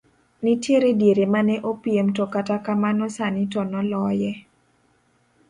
Nitie diere mane opiem to kata kamano sani to noloye.